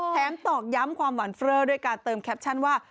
ตอกย้ำความหวานเฟล่อด้วยการเติมแคปชั่นว่า